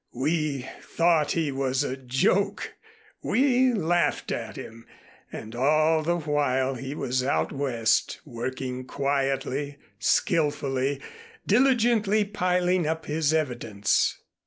We thought he was a joke. We laughed at him and all the while he was out West working, quietly, skillfully, diligently piling up his evidence.